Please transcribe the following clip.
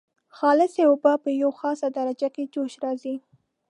خالصې اوبه په یوه خاصه درجه کې جوش راځي.